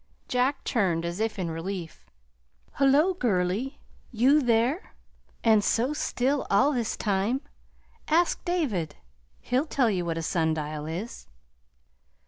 Jack turned, as if in relief. "Hullo, girlie, you there? and so still all this time? Ask David. He'll tell you what a sundial is.